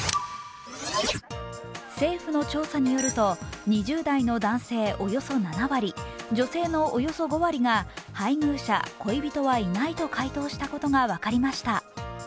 政府の調査によると、２０代の男性およそ７割、女性のおよそ５割が配偶者・恋人はいないと回答したことが分かりました。